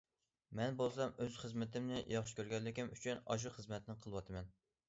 مەن بولسام ئۆز خىزمىتىمنى ياخشى كۆرگەنلىكىم ئۈچۈن ئاشۇ خىزمەتنى قىلىۋاتىمەن.